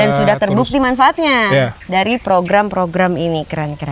dan sudah terbukti manfaatnya dari program program ini keren keren